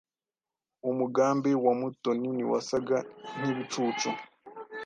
Umugambi wa Mutoni ntiwasaga nkibicucu.